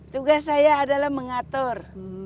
tugas saya adalah mengatur